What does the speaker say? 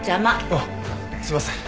ああすいません。